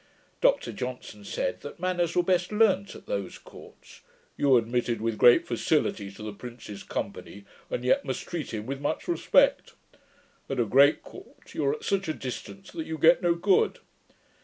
Dr Johnson said, that manners were best learnt at those courts. 'You are admitted with great facility to the prince's company, and yet must treat him with much respect. At a great court, you are at such a distance that you get no good.'